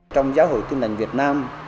trong giáo hội tin lành việt nam